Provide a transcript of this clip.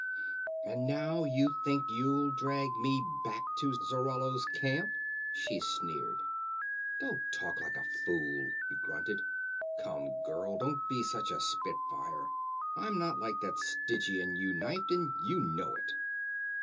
"And now you think you'll drag me back to Zarallo's camp?" she sneered. "Don't talk like a fool," he grunted. "Come, girl, don't be such a spitfire. I'm not like that Stygian you knifed, and you know it."